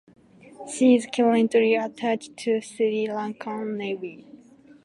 She is currently attached to Sri Lankan Navy.